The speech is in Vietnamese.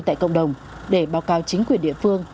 tại cộng đồng để báo cáo chính quyền địa phương